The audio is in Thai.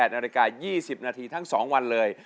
นาฬิกา๒๐นาทีทั้ง๒วันเลย